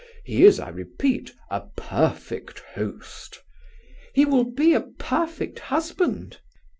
He is, I repeat, a perfect host." "He will be a perfect husband."